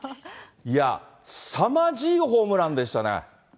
すさまじいホームランでしたね。